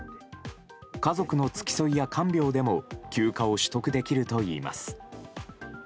家族の付き添いや看病でも休暇を取得できるといいます。